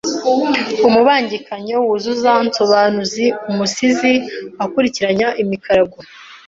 Umubangikanyo wuzuza nsobanuzi Umusizi akurikiranya imikarago